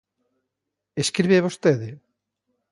_¿Escribe vostede?